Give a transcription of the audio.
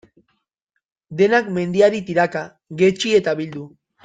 Denak mendiari tiraka, jetzi eta bildu?